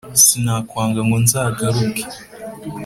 Sinakwanga ngo nzagaruke